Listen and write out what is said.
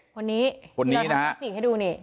คนนี้คนนี้นะมีเราทำทักษิตให้ดูนี่